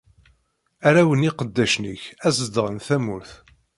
Arraw n iqeddacen-ik ad zedɣen tamurt.